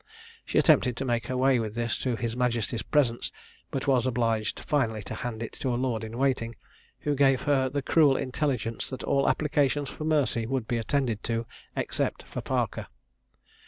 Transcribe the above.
She attempted to make her way with this to his majesty's presence, but was obliged finally to hand it to a lord in waiting, who gave her the cruel intelligence that all applications for mercy would be attended to, except for Parker.